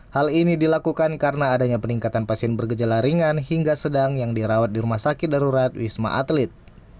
hal ini dilakukan karena adanya peningkatan pasien bergejala ringan hingga sedang yang dirawat di rumah sakit darurat wisma atlet